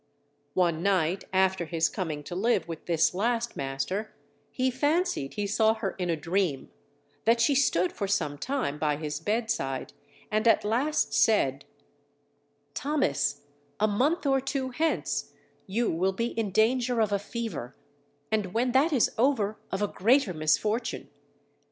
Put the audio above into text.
One night after his coming to live with this last master, he fancied he saw her in a dream, that she stood for some time by his bedside, and at last said, _Thomas, a month or two hence you will be in danger of a fever, and when that is over of a greater misfortune.